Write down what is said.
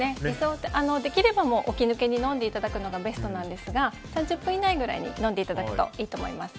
できれば起き抜けに飲んでいたただくことがベストなんですが３０分以内ぐらいに飲んでいただくといいと思います。